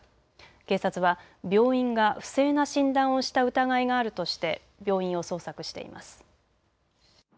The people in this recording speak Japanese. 警察は病院が不正な診断をした疑いがあるとして病院を捜索しています。